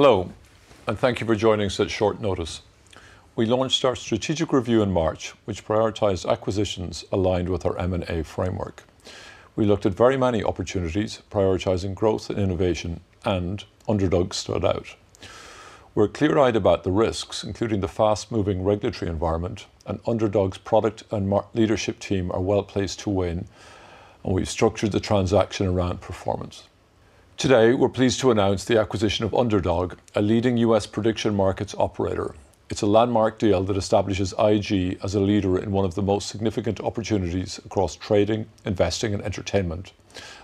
Hello, and thank you for joining us at short notice. We launched our strategic review in March, which prioritized acquisitions aligned with our M&A framework. We looked at very many opportunities, prioritizing growth and innovation, Underdog stood out. We're clear-eyed about the risks, including the fast-moving regulatory environment and Underdog's product and leadership team are well-placed to win, and we've structured the transaction around performance. Today, we're pleased to announce the acquisition of Underdog, a leading U.S. prediction markets operator. It's a landmark deal that establishes IG as a leader in one of the most significant opportunities across trading, investing, and entertainment,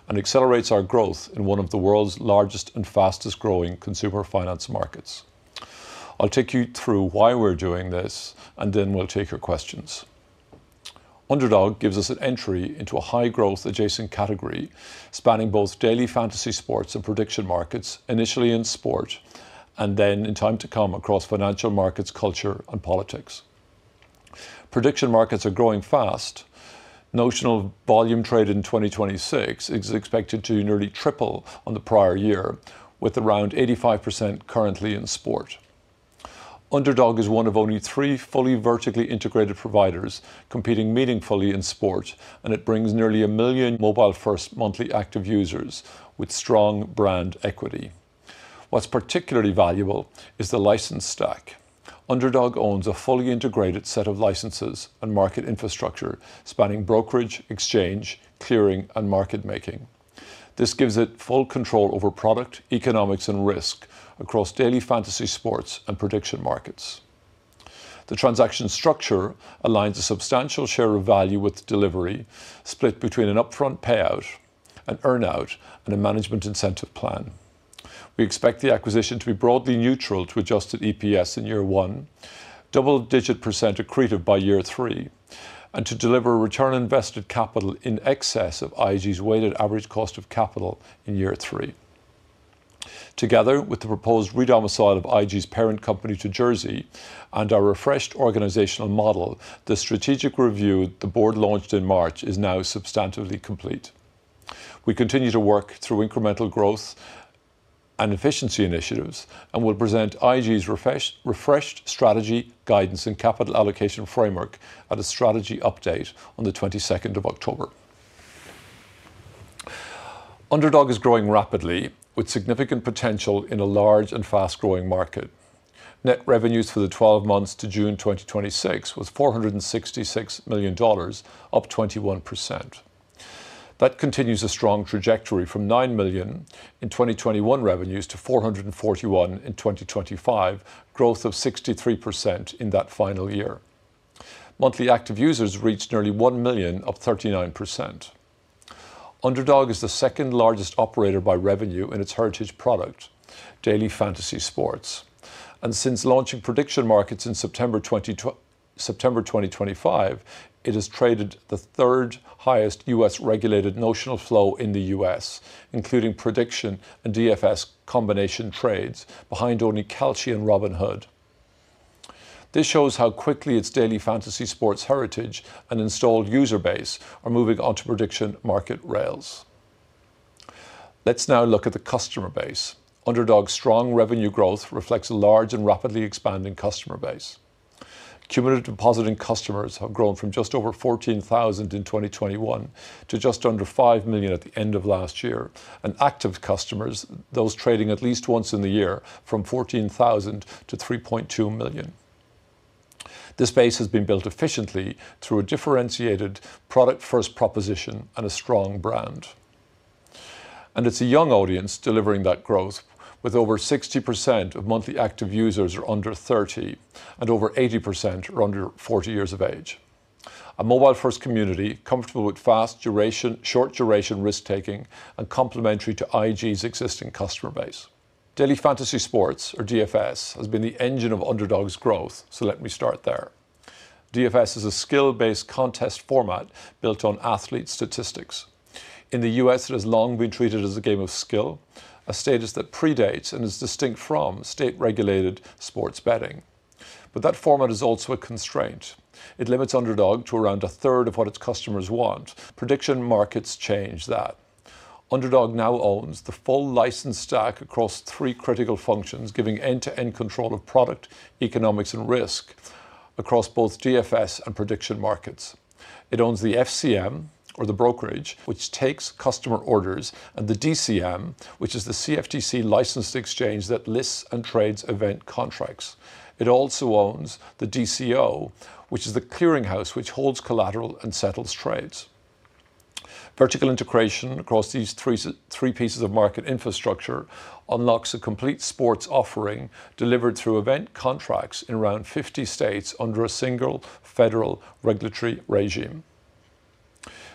and accelerates our growth in one of the world's largest and fastest-growing consumer finance markets. I'll take you through why we're doing this. Then we'll take your questions. Underdog gives us an entry into a high-growth adjacent category spanning both Daily Fantasy Sports and prediction markets, initially in sport. Then in time to come across financial markets, culture, and politics. prediction markets are growing fast. Notional volume trade in 2026 is expected to nearly triple on the prior year with around 85% currently in sport. Underdog is one of only three fully vertically integrated providers competing meaningfully in sport, and it brings nearly a million mobile-first monthly active users with strong brand equity. What's particularly valuable is the license stack. Underdog owns a fully integrated set of licenses and market infrastructure spanning brokerage, exchange, clearing, and market making. This gives it full control over product, economics, and risk across Daily Fantasy Sports and prediction markets. The transaction structure aligns a substantial share of value with delivery split between an upfront payout, an earn-out, and a management incentive plan. We expect the acquisition to be broadly neutral to adjusted EPS in year one, double-digit percent accretive by year three, and to deliver a return on invested capital in excess of IG's weighted average cost of capital in year three. Together with the proposed re-domicile of IG's parent company to Jersey and our refreshed organizational model, the strategic review the board launched in March is now substantively complete. We continue to work through incremental growth and efficiency initiatives and will present IG's refreshed strategy guidance and capital allocation framework at a strategy update on the 22nd of October. Underdog is growing rapidly with significant potential in a large and fast-growing market. Net revenues for the 12 months to June 2026 was $466 million, up 21%. That continues a strong trajectory from $9 million in 2021 revenues to $441 million in 2025, growth of 63% in that final year. Monthly active users reached nearly 1 million, up 39%. Underdog is the second-largest operator by revenue in its heritage product, Daily Fantasy Sports. Since launching prediction markets in September 2025, it has traded the third highest U.S. regulated notional flow in the U.S., including prediction and DFS combination trades behind only Kalshi and Robinhood. This shows how quickly its Daily Fantasy Sports heritage and installed user base are moving onto prediction market rails. Let's now look at the customer base. Underdog's strong revenue growth reflects a large and rapidly expanding customer base. Cumulative depositing customers have grown from just over 14,000 in 2021 to just under 5 million at the end of last year, and active customers, those trading at least once in the year, from 14,000 to 3.2 million. This base has been built efficiently through a differentiated product-first proposition and a strong brand. It's a young audience delivering that growth with over 60% of monthly active users are under 30 and over 80% are under 40 years of age. A mobile-first community comfortable with fast duration, short duration risk-taking, and complementary to IG's existing customer base. Daily Fantasy Sports or DFS has been the engine of Underdog's growth, let me start there. DFS is a skill-based contest format built on athlete statistics. In the U.S., it has long been treated as a game of skill, a status that predates and is distinct from state-regulated sports betting. That format is also a constraint. It limits Underdog to around a third of what its customers want. Prediction markets change that. Underdog now owns the full license stack across three critical functions, giving end-to-end control of product, economics, and risk across both DFS and prediction markets. It owns the FCM or the brokerage, which takes customer orders, and the DCM, which is the CFTC-licensed exchange that lists and trades event contracts. It also owns the DCO, which is the clearinghouse, which holds collateral and settles trades. Vertical integration across these three pieces of market infrastructure unlocks a complete sports offering delivered through event contracts in around 50 states under a single federal regulatory regime.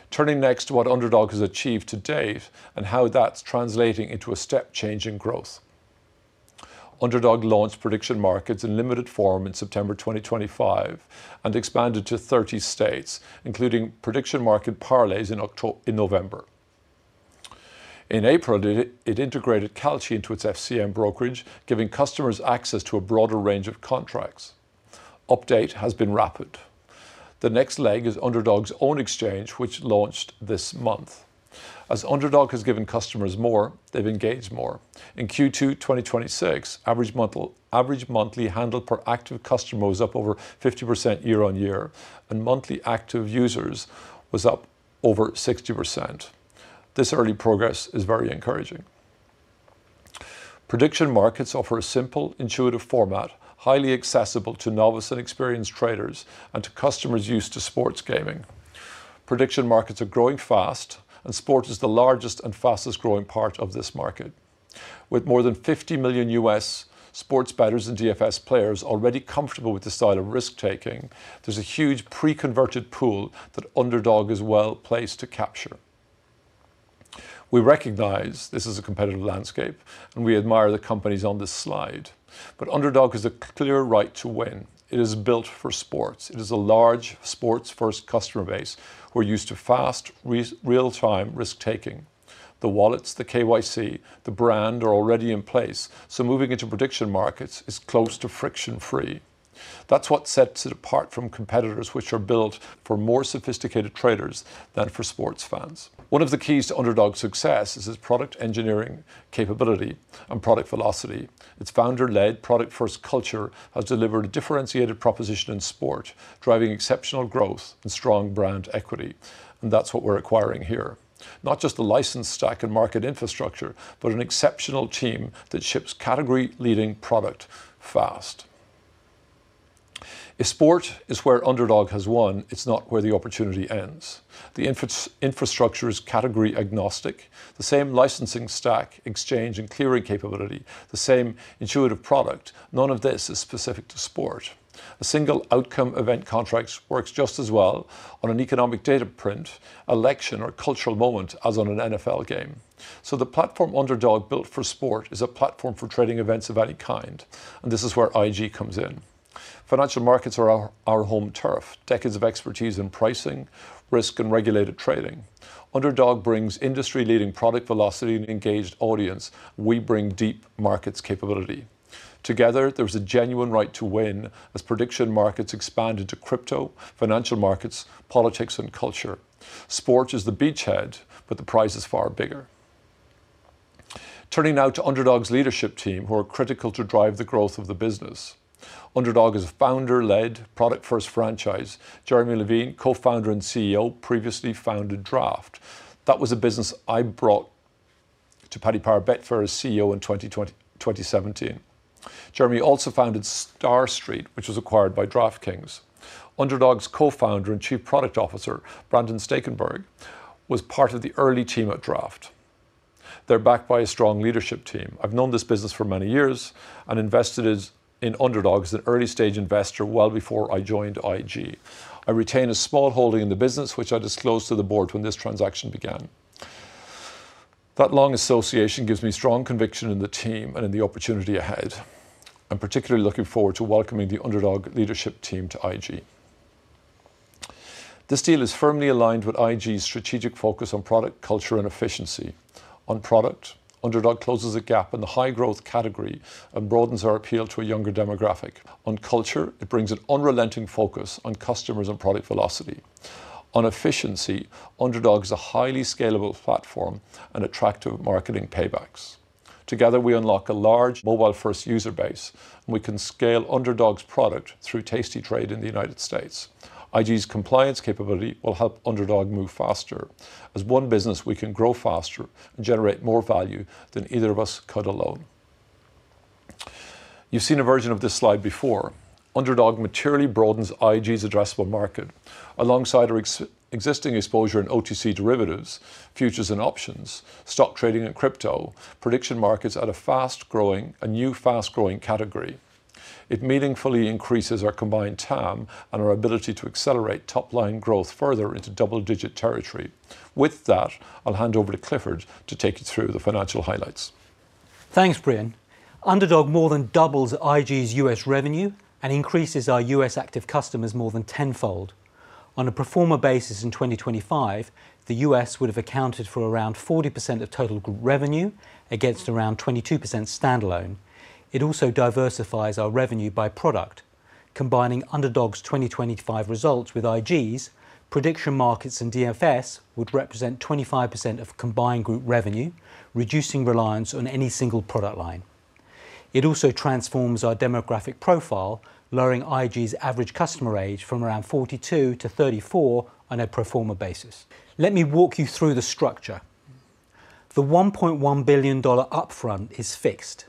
Turning next to what Underdog has achieved to date and how that's translating into a step change in growth. Underdog launched prediction markets in limited form in September 2025 and expanded to 30 states, including prediction market parlays in November. In April, it integrated Kalshi into its FCM brokerage, giving customers access to a broader range of contracts. Update has been rapid. The next leg is Underdog's own exchange, which launched this month. As Underdog has given customers more, they've engaged more. In Q2 2026, average monthly handled per active customer was up over 50% year-on-year, and monthly active users was up over 60%. This early progress is very encouraging. Prediction markets offer a simple, intuitive format, highly accessible to novice and experienced traders, and to customers used to sports gaming. Prediction markets are growing fast, sport is the largest and fastest-growing part of this market. With more than 50 million U.S. sports bettors and DFS players already comfortable with this style of risk-taking, there's a huge pre-converted pool that Underdog is well-placed to capture. We recognize this is a competitive landscape, we admire the companies on this slide. Underdog has a clear right to win. It is built for sports. It has a large sports-first customer base who are used to fast, real-time risk-taking. The wallets, the KYC, the brand are already in place, moving into prediction markets is close to friction-free. That's what sets it apart from competitors, which are built for more sophisticated traders than for sports fans. One of the keys to Underdog's success is its product engineering capability and product velocity. Its founder-led, product-first culture has delivered a differentiated proposition in sport, driving exceptional growth and strong brand equity. That's what we're acquiring here. Not just the license stack and market infrastructure, but an exceptional team that ships category-leading product fast. If sport is where Underdog has won, it's not where the opportunity ends. The infrastructure is category agnostic. The same licensing stack, exchange, and clearing capability, the same intuitive product, none of this is specific to sport. A single outcome event contract works just as well on an economic data print, election, or cultural moment as on an NFL game. The platform Underdog built for sport is a platform for trading events of any kind, and this is where IG comes in. Financial markets are our home turf. Decades of expertise in pricing, risk, and regulated trading. Underdog brings industry-leading product velocity and engaged audience. We bring deep markets capability. Together, there's a genuine right to win as prediction markets expand into crypto, financial markets, politics, and culture. Sport is the beachhead. The prize is far bigger. Turning now to Underdog's leadership team, who are critical to drive the growth of the business. Underdog is a founder-led, product-first franchise. Jeremy Levine, co-founder and Chief Executive Officer, previously founded DRAFT. That was a business I brought to Paddy Power Betfair as Chief Executive Officer in 2017. Jeremy also founded StarStreet, which was acquired by DraftKings. Underdog's co-founder and Chief Product Officer, Brandon Stakenborg, was part of the early team at DRAFT. They're backed by a strong leadership team. I've known this business for many years and invested in Underdog as an early-stage investor well before I joined IG. I retain a small holding in the business, which I disclosed to the board when this transaction began. That long association gives me strong conviction in the team and in the opportunity ahead. I'm particularly looking forward to welcoming the Underdog leadership team to IG. This deal is firmly aligned with IG's strategic focus on product, culture, and efficiency. On product, Underdog closes a gap in the high-growth category and broadens our appeal to a younger demographic. On culture, it brings an unrelenting focus on customers and product velocity. On efficiency, Underdog's a highly scalable platform and attractive marketing paybacks. Together, we unlock a large mobile-first user base, and we can scale Underdog's product through tastytrade in the U.S. IG's compliance capability will help Underdog move faster. As one business, we can grow faster and generate more value than either of us could alone. You've seen a version of this slide before. Underdog materially broadens IG's addressable market. Alongside our existing exposure in OTC derivatives, futures and options, stock trading and crypto, prediction markets are a new fast-growing category. It meaningfully increases our combined TAM and our ability to accelerate top-line growth further into double-digit territory. With that, I'll hand over to Clifford to take you through the financial highlights. Thanks, Breon. Underdog more than doubles IG's U.S. revenue and increases our U.S. active customers more than tenfold. On a pro forma basis in 2025, the U.S. would have accounted for around 40% of total group revenue against around 22% standalone. It also diversifies our revenue by product. Combining Underdog's 2025 results with IG's, prediction markets and DFS would represent 25% of combined group revenue, reducing reliance on any single product line. It also transforms our demographic profile, lowering IG's average customer age from around 42-34 on a pro forma basis. Let me walk you through the structure. The $1.1 billion up front is fixed.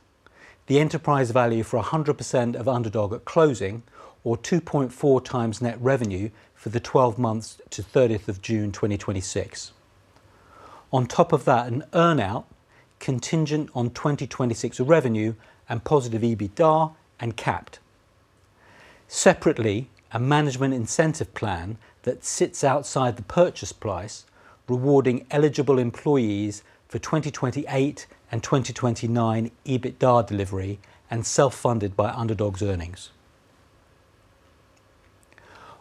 The enterprise value for 100% of Underdog at closing, or 2.4x net revenue for the 12 months to 30th of June 2026. On top of that, an earn-out contingent on 2026 revenue and positive EBITDA and capped. Separately, a management incentive plan that sits outside the purchase price, rewarding eligible employees for 2028 and 2029 EBITDA delivery and self-funded by Underdog's earnings.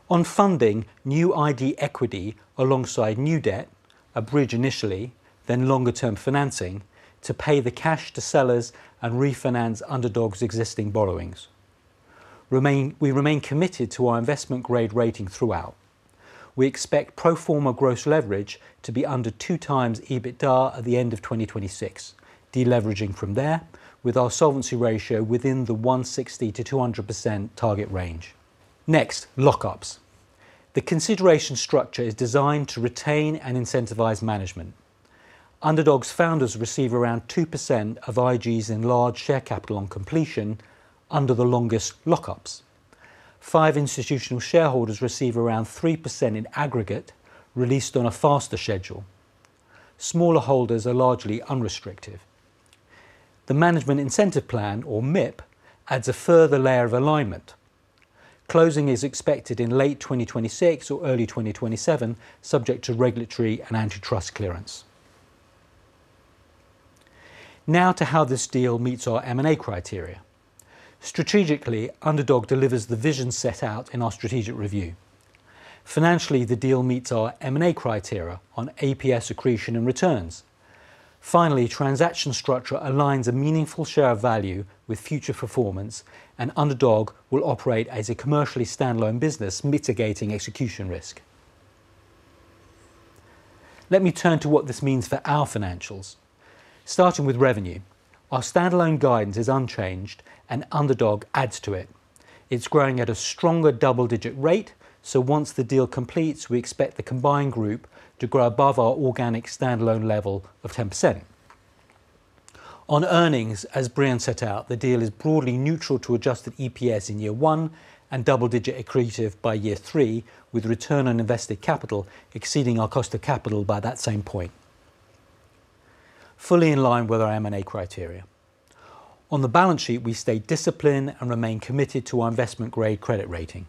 On funding, new IG equity alongside new debt A bridge initially, then longer-term financing to pay the cash to sellers and refinance Underdog's existing borrowings. We remain committed to our investment-grade rating throughout. We expect pro forma gross leverage to be under 2x EBITDA at the end of 2026, deleveraging from there, with our solvency ratio within the 160%-200% target range. Next, lockups. The consideration structure is designed to retain and incentivize management. Underdog's founders receive around 2% of IG's enlarged share capital on completion under the longest lockups. Five institutional shareholders receive around 3% in aggregate, released on a faster schedule. Smaller holders are largely unrestricted. The Management Incentive Plan, or MIP, adds a further layer of alignment. Closing is expected in late 2026 or early 2027, subject to regulatory and antitrust clearance. Now to how this deal meets our M&A criteria. Strategically, Underdog delivers the vision set out in our strategic review. Financially, the deal meets our M&A criteria on EPS accretion and returns. Finally, transaction structure aligns a meaningful share of value with future performance, and Underdog will operate as a commercially standalone business, mitigating execution risk. Let me turn to what this means for our financials. Starting with revenue, our standalone guidance is unchanged and Underdog adds to it. It's growing at a stronger double-digit rate, so once the deal completes, we expect the combined group to grow above our organic standalone level of 10%. On earnings, as Breon set out, the deal is broadly neutral to adjusted EPS in year one and double-digit accretive by year three, with return on invested capital exceeding our cost of capital by that same point. Fully in line with our M&A criteria. On the balance sheet, we stay disciplined and remain committed to our investment-grade credit rating.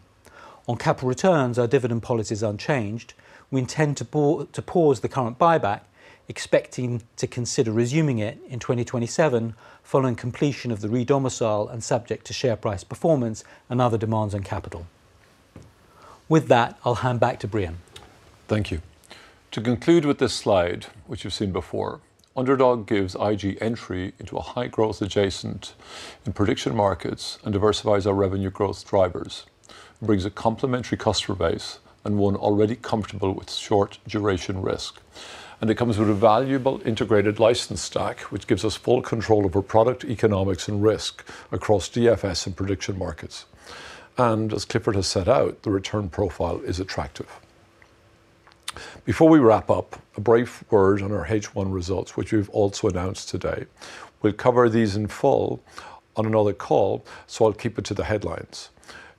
On capital returns, our dividend policy is unchanged. We intend to pause the current buyback, expecting to consider resuming it in 2027 following completion of the redomicile and subject to share price performance and other demands on capital. With that, I'll hand back to Breon. Thank you. To conclude with this slide, which we've seen before, Underdog gives IG entry into a high-growth adjacent in prediction markets and diversifies our revenue growth drivers. It brings a complementary customer base and one already comfortable with short-duration risk. It comes with a valuable integrated license stack, which gives us full control over product economics and risk across DFS and prediction markets. As Clifford has set out, the return profile is attractive. Before we wrap up, a brief word on our H1 results, which we've also announced today. We'll cover these in full on another call, so I'll keep it to the headlines.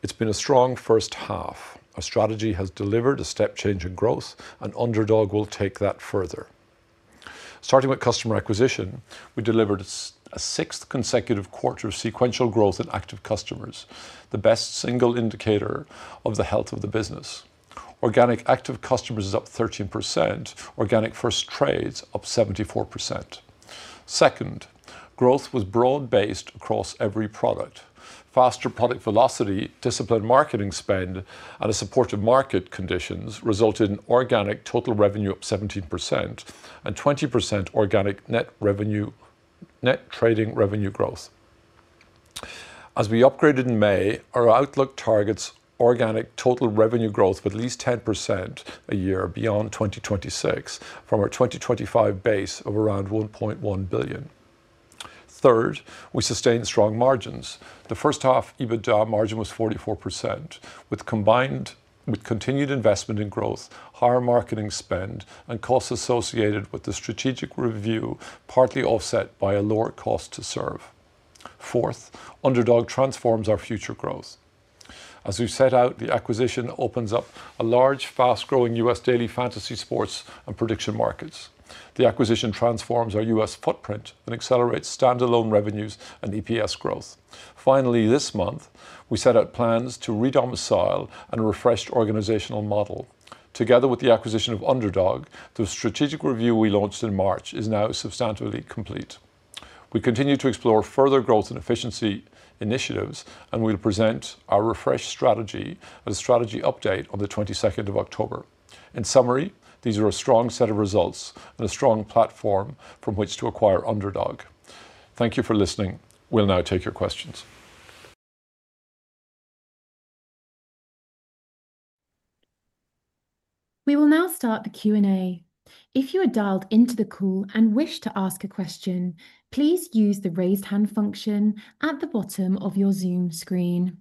It's been a strong first half. Our strategy has delivered a step change in growth, and Underdog will take that further. Starting with customer acquisition, we delivered a sixth consecutive quarter of sequential growth in active customers, the best single indicator of the health of the business. Organic active customers is up 13%, organic first trades up 74%. Second, growth was broad-based across every product. Faster product velocity, disciplined marketing spend, and supportive market conditions resulted in organic total revenue up 17% and 20% organic net trading revenue growth. As we upgraded in May, our outlook targets organic total revenue growth of at least 10% a year beyond 2026 from our 2025 base of around 1.1 billion. Third, we sustained strong margins. The first half EBITDA margin was 44%, with continued investment in growth, higher marketing spend, and costs associated with the strategic review, partly offset by a lower cost to serve. Fourth, Underdog transforms our future growth. As we set out, the acquisition opens up a large, fast-growing U.S. Daily Fantasy Sports and prediction markets. The acquisition transforms our U.S. footprint and accelerates standalone revenues and EPS growth. This month, we set out plans to redomicile and a refreshed organizational model. Together with the acquisition of Underdog, the strategic review we launched in March is now substantively complete. We'll present our refreshed strategy at a strategy update on the 22nd of October. In summary, these are a strong set of results and a strong platform from which to acquire Underdog. Thank you for listening. We'll now take your questions. We will now start the Q&A. If you are dialed into the call and wish to ask a question, please use the raise hand function at the bottom of your Zoom screen.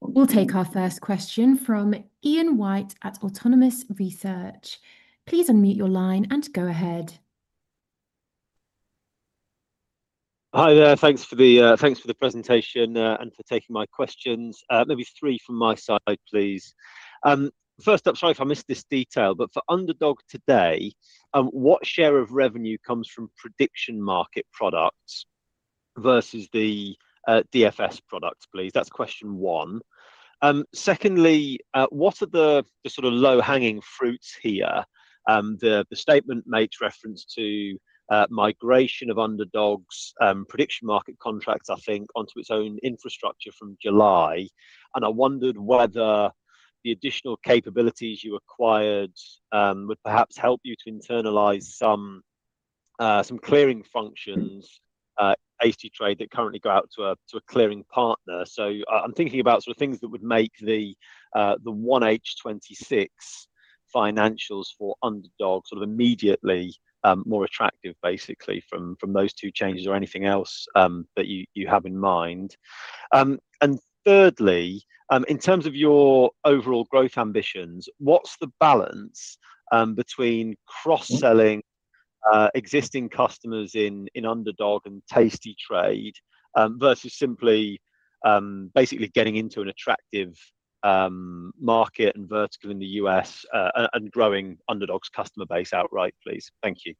We'll take our first question from Ian White at Autonomous Research. Please unmute your line and go ahead. Hi there. Thanks for the presentation and for taking my questions. There'll be three from my side, please. First up, sorry if I missed this detail, but for Underdog today, what share of revenue comes from prediction market products versus the DFS products, please? That's question one. Secondly, what are the low-hanging fruits here? The statement makes reference to migration of Underdog's prediction market contracts, I think, onto its own infrastructure from July. I wondered whether the additional capabilities you acquired would perhaps help you to internalize some clearing functions at tastytrade that currently go out to a clearing partner. I'm thinking about sort of things that would make the 1H 2026 financials for Underdog sort of immediately more attractive, basically from those two changes or anything else that you have in mind. Thirdly, in terms of your overall growth ambitions, what's the balance between cross-selling existing customers in Underdog and tastytrade, versus simply basically getting into an attractive market and vertical in the U.S. and growing Underdog's customer base outright, please. Thank you.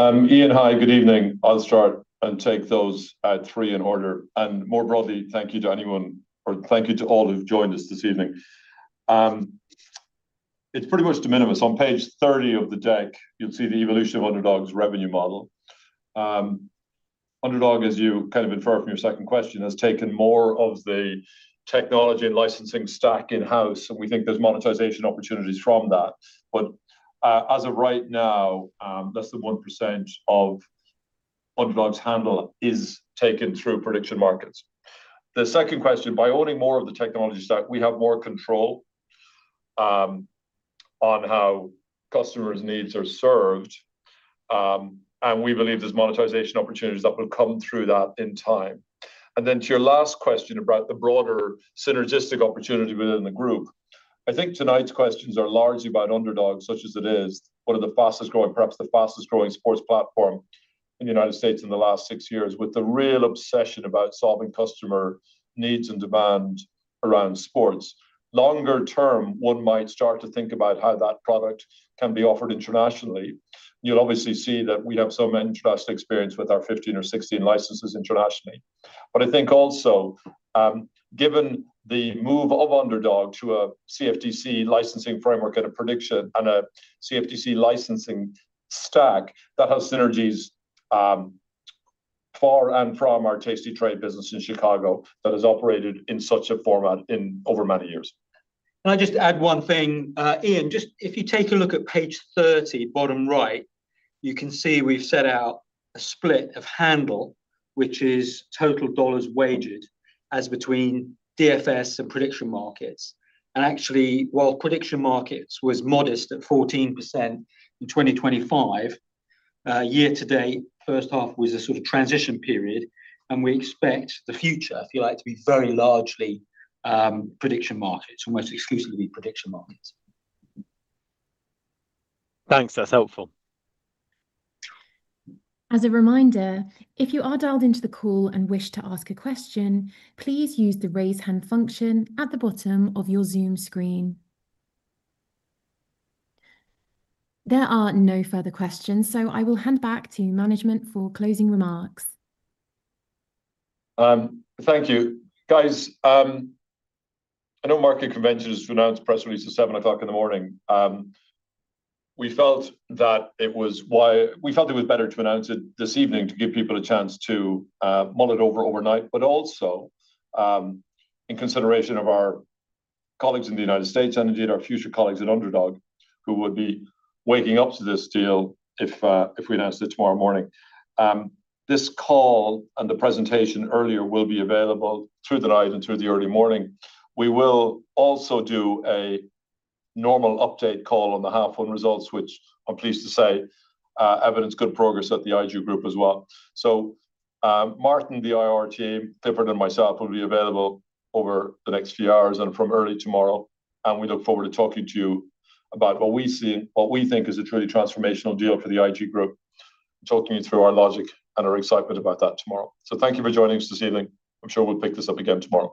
Ian, hi. Good evening. I'll start and take those three in order. More broadly, thank you to anyone, or thank you to all who've joined us this evening. It's pretty much de minimis. On page 30 of the deck, you'll see the evolution of Underdog's revenue model. Underdog, as you kind of inferred from your second question, has taken more of the technology and licensing stack in-house, and we think there's monetization opportunities from that. As of right now, less than 1% of Underdog's handle is taken through prediction markets. The second question, by owning more of the technology stack, we have more control on how customers' needs are served. We believe there's monetization opportunities that will come through that in time. To your last question about the broader synergistic opportunity within the group, I think tonight's questions are largely about Underdog, such as it is, one of the fastest-growing, perhaps the fastest-growing sports platform in the U.S. in the last six years with a real obsession about solving customer needs and demand around sports. Longer term, one might start to think about how that product can be offered internationally. You'll obviously see that we have some interesting experience with our 15 or 16 licenses internationally. I think also, given the move of Underdog to a CFTC licensing framework and a prediction and a CFTC licensing stack that has synergies for and from our tastytrade business in Chicago that has operated in such a format over many years. Can I just add one thing? Ian, if you take a look at page 30, bottom right, you can see we've set out a split of handle, which is total dollars waged, as between DFS and prediction markets. Actually, while prediction markets was modest at 14% in 2025, year-to-date, first half was a sort of transition period. We expect the future, if you like, to be very largely prediction markets, almost exclusively prediction markets. Thanks. That's helpful. As a reminder, if you are dialed into the call and wish to ask a question, please use the raise hand function at the bottom of your Zoom screen. There are no further questions. I will hand back to management for closing remarks. Thank you. Guys, I know market convention is to announce press releases at 7:00 A.M. We felt it was better to announce it this evening to give people a chance to mull it over overnight, also in consideration of our colleagues in the U.S., indeed our future colleagues at Underdog, who would be waking up to this deal if we announced it tomorrow morning. This call and the presentation earlier will be available through the night and through the early morning. We will also do a normal update call on the half one results, which I'm pleased to say evidence good progress at the IG Group as well. Martin, the Investor Relation team, Clifford, and myself will be available over the next few hours and from early tomorrow, and we look forward to talking to you about what we think is a truly transformational deal for the IG Group, and talking you through our logic and our excitement about that tomorrow. Thank you for joining us this evening. I'm sure we'll pick this up again tomorrow.